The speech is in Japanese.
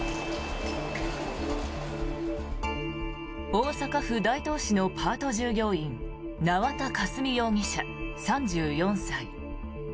大阪府大東市のパート従業員縄田佳純容疑者、３４歳。